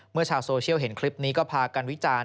ชาวโซเชียลเห็นคลิปนี้ก็พากันวิจารณ์